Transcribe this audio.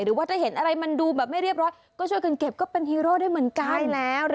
หรือว่าถ้าเห็นอะไรมันดูแบบไม่เรียบร้อยก็ช่วยกันเก็บก็เป็นฮีโร่ได้เหมือนกัน